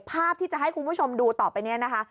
ภาพที่จะให้คุณผู้ชมดูต่อไปนี้นะคะ